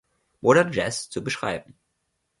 Modern Jazz zu beschreiben.